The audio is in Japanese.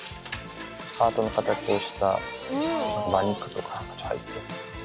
ハートの形をした、馬肉とか入ってる。